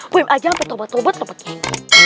poem aja apa tobat tobat lo pak giai